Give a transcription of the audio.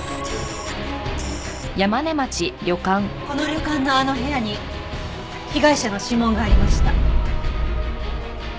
この旅館のあの部屋に被害者の指紋がありました。